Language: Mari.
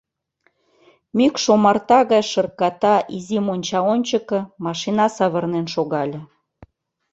Мӱкш омарта гай шырката изи монча ончыко машина савырнен шогале.